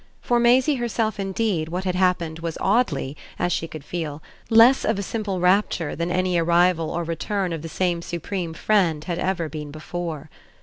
For Maisie herself indeed what had happened was oddly, as she could feel, less of a simple rapture than any arrival or return of the same supreme friend had ever been before.